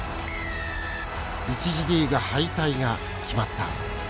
１次リーグ敗退が決まった。